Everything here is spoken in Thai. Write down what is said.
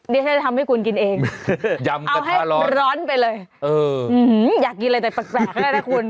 ดิฉันจะทำให้คุณกินเองเอาให้ร้อนไปเลยอยากกินอะไรแต่แปลกก็ได้นะคุณ